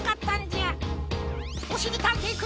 おしりたんていくん。